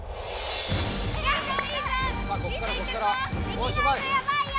・できないとやばいよ！